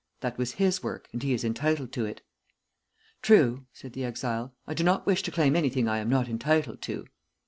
That was his work, and he is entitled to it." "True," said the exile. "I do not wish to claim anything I am not entitled to."